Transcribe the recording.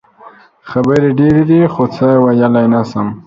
خبرې ډېرې دي خو څه ویلې نه شم.